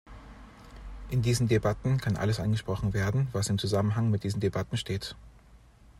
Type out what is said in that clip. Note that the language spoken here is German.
In diesen Debatten kann alles angesprochen werden, was im Zusammenhang mit diesen Debatten steht.